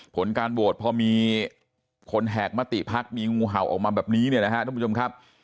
ผลการโบสถ์พอมีคนแหกมะติพักมีงูเห่าออกมาแบบนี้นะครับท่านผู้ชมครับ